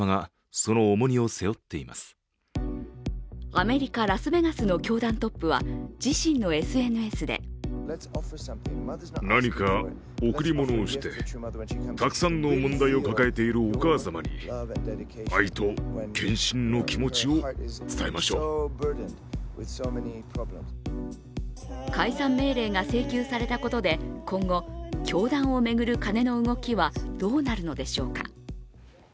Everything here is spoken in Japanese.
アメリカ・ラスベガスの教団トップは自身のＳＮＳで解散命令が請求されたことで今後教団を巡る金の動きはどうなるのでしょうか。